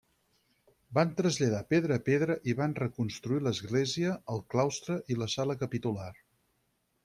Van traslladar pedra a pedra i van reconstruir l'església, el claustre i la sala capitular.